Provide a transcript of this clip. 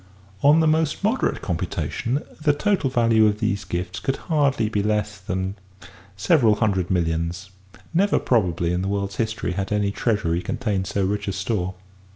On the most moderate computation, the total value of these gifts could hardly be less than several hundred millions; never probably in the world's history had any treasury contained so rich a store.